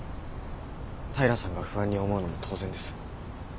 平さんが不安に思うのも当然です。